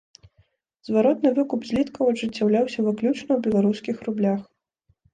Зваротны выкуп зліткаў ажыццяўляўся выключна ў беларускіх рублях.